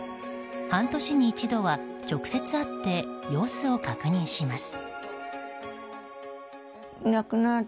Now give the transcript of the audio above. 半年に一度は直接会って様子を確認します。